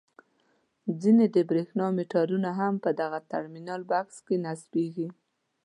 ځینې د برېښنا میټرونه هم په دغه ټرمینل بکس کې نصبیږي.